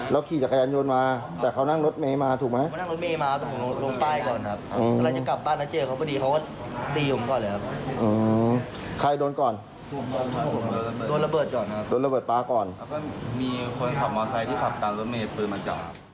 แล้วก็มีคนขับมอเซ้ที่ขับตามรถเมล์ปืนมาจับ